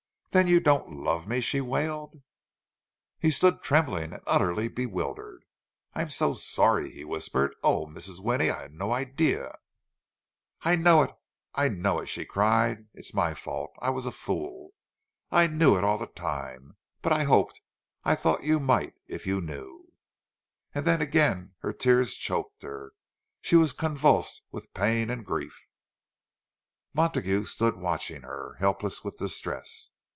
"Then you don't love me!" she wailed. He stood trembling and utterly bewildered. "I'm so sorry!" he whispered. "Oh, Mrs. Winnie—I had no idea—" "I know it! I know it!" she cried. "It's my fault! I was a fool! I knew it all the time. But I hoped—I thought you might, if you knew—" And then again her tears choked her; she was convulsed with pain and grief. Montague stood watching her, helpless with distress.